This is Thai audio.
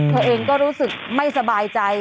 เธอเองก็รู้สึกไม่สบายใจ